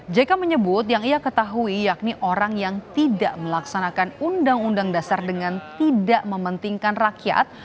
jk menyebut yang ia ketahui yakni orang yang tidak melaksanakan undang undang dasar dengan tidak mementingkan rakyat